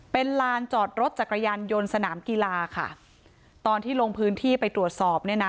เป็นลานจอดรถจักรยานยนต์สนามกีฬาค่ะตอนที่ลงพื้นที่ไปตรวจสอบเนี่ยนะ